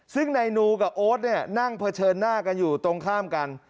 ซึ่งนายนูกับโอ๊ตเนี่ยนั่งเผชิญหน้ากันอยู่ตรงข้ามกัน